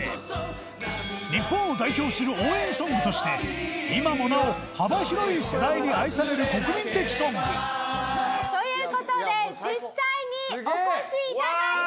日本を代表する応援ソングとして今もなお幅広い世代に愛される国民的ソングという事で実際にお越しいただいております！